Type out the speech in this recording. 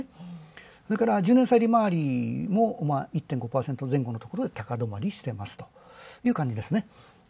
それから１０月利回りも１．５％前後のところで高止まりという感じです。